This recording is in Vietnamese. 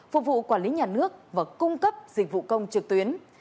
phục vụ quản lý nhà nước và cung cấp dịch vụ công trực tuyến